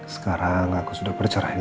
sekarang aku sudah bercerahin